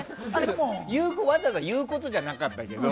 わざわざ言うことじゃなかったけど。